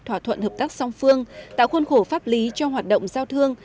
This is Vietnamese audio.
thỏa thuận hợp tác song phương tạo khuôn khổ pháp lý cho hoạt động giao thương